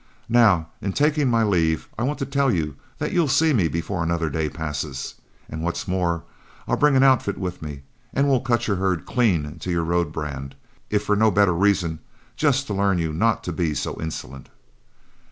Now in taking my leave, I want to tell you that you'll see me before another day passes, and what's more, I'll bring an outfit with me and we'll cut your herd clean to your road brand, if for no better reasons, just to learn you not to be so insolent."